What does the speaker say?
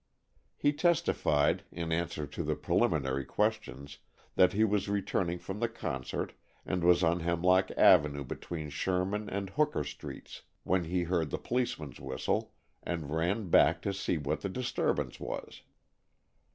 He testified, in answer to the preliminary questions, that he was returning from the concert and was on Hemlock Avenue between Sherman and Hooker Streets when he heard the policeman's whistle and ran back to see what the disturbance was.